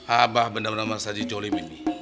abah benar benar saja jolim ini